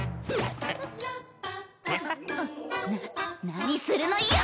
な何するのよ！